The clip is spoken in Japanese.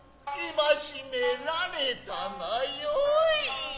斯う縛められたがよい。